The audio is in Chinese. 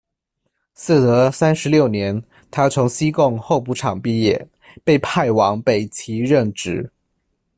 嗣德三十六年，他从西贡候补场毕业，被派往北圻任职。